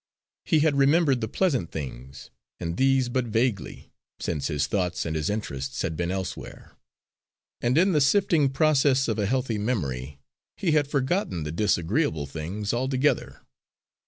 He had remembered the pleasant things, and these but vaguely, since his thoughts and his interests had been elsewhere; and in the sifting process of a healthy memory he had forgotten the disagreeable things altogether.